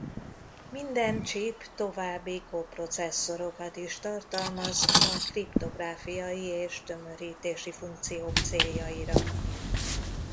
Minden csip további koprocesszorokat is tartalmaz a kriptográfiai és tömörítési funkciók céljaira.